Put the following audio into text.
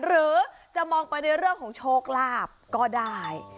หรือจะมองไปในเรื่องของโชคลาภก็ได้